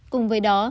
cùng với đó